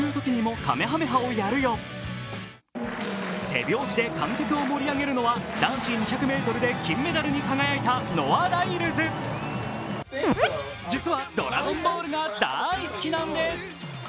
手拍子で観客を盛り上げるのは男子２００ｍで金メダルに輝いたノア・ライルズ実は「ドラゴンボール」が大好きなんです。